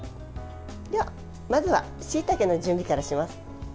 では、まずはしいたけの準備からします。